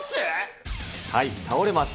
倒れます。